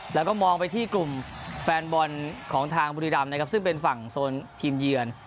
แล้วก็มองไปที่กลุ่มแฟนบอลของทางบุรีรำนะครับซึ่งเป็นฝั่งโซนทีมเยือน